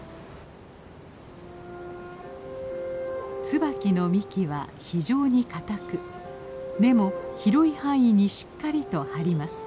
ツバキの幹は非常に堅く根も広い範囲にしっかりと張ります。